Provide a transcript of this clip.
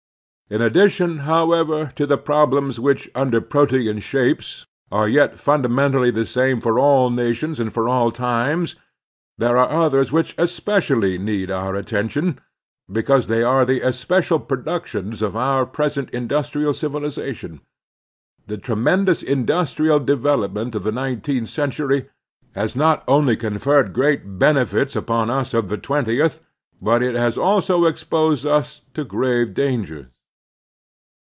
In addition, however, to the problems which, under Protean shapes, are yet fundamentally the same for all nations and for all times, there are others which especially need our attention, because they are the especial productions of our present industrial civilization. The tremendous industrial development of the nineteenth centiuy has not only conferred great benefits upon us of 228 The Strenuous Life the twentieth, but it has also exposed tis to grave dangers.